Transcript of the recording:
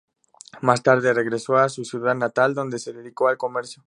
Más tarde regresó a su ciudad natal, donde se dedicó al comercio.